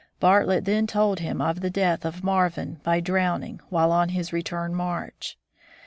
Bartlett then told him of the death of Marvin by drowning while on his return march.